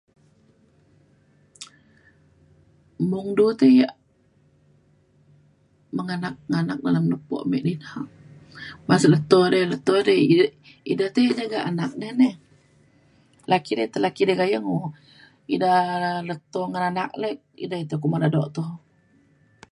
mung du te ia’ menganak anak dalem lepo me ina baan sik leto e leto re ida ti jaga anak de ne. laki te laki te de gayeng o ida leto ngan anak le ida te kuma dado toh